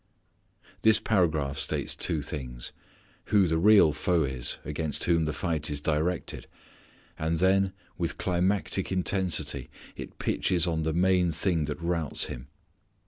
This paragraph states two things: who the real foe is, against whom the fight is directed; and, then with climactic intensity it pitches on the main thing that routs him.